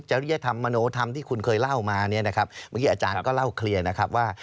ริยธรรมมโนธรรมที่คุณเคยเล่ามาเนี่ยนะครับเมื่อกี้อาจารย์ก็เล่าเคลียร์นะครับว่า